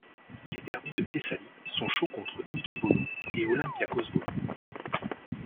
Les derbies de Thessalie sont chauds contre Niki Volou et Olympiakos Volou.